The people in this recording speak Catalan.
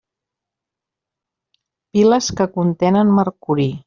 Piles que contenen mercuri.